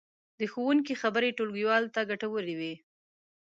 د ښوونکي خبرې ټولګیوالو ته ګټورې وې.